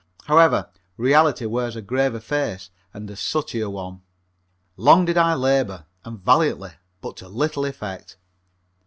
However, reality wears a graver face and a sootier one. Long did I labor and valiantly but to little effect.